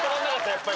やっぱり。